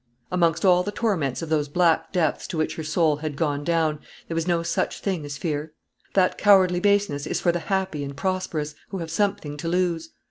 Amongst all the torments of those black depths to which her soul had gone down, there was no such thing as fear. That cowardly baseness is for the happy and prosperous, who have something to lose.